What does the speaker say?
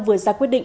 vừa ra quyết định